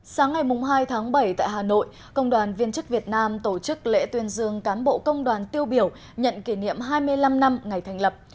sáng ngày hai tháng bảy tại hà nội công đoàn viên chức việt nam tổ chức lễ tuyên dương cán bộ công đoàn tiêu biểu nhận kỷ niệm hai mươi năm năm ngày thành lập